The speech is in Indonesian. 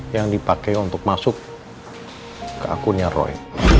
yang dipakai untuk masuk ke akunnya roy